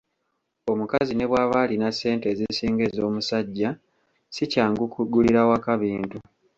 Omukazi ne bwaba alina ssente ezisinga ez'omusajja sikyangu kugulira waka bintu.